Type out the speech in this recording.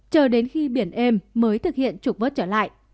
chờ đến khi biển êm mới thực hiện trục vớt trở lại